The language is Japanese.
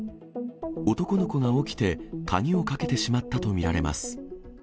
男の子が起きて、鍵をかけてしまったと見られます。